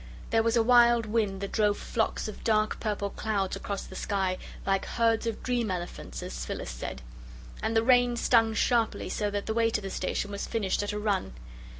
There was a wild wind that drove flocks of dark purple clouds across the sky "like herds of dream elephants," as Phyllis said. And the rain stung sharply, so that the way to the station was finished at a run.